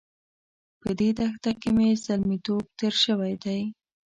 په دې دښته کې مې زلميتوب تېر شوی دی.